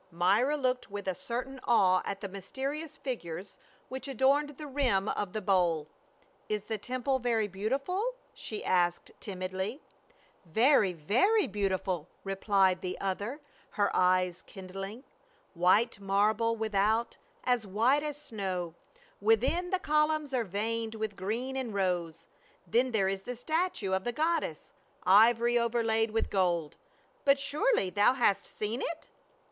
Myra looked with a certain awe at the mysterious figures which adorned the rim of the bowl. " Is the temple very beautiful ?" she asked timidly. " Very, very beautiful," replied the other, her eyes kindling. " White marble without, as white as snow ; within the columns are veined with green and rose ; then there is the statue of the goddess, ivory overlaid with gold. But surely thou hast seen it?"